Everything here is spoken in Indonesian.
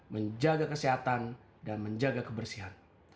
menjaga kesehatan dan menjaga kebersihan